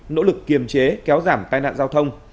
nỗ lực kiềm chế kéo giảm tai nạn giao thông